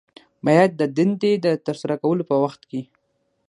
باید د دندې د ترسره کولو په وخت کې